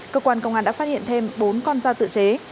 cơ quan công an đã phát hiện thêm bốn con dao tự chế